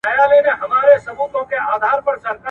چي بدل سي په ټولنه کي کسبونه `